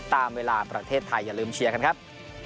ตามเวลาประเทศไทยอย่าลืมเชียร์กันครับ